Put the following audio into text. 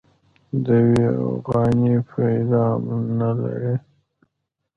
د يوې اوغانۍ پيدام نه لري.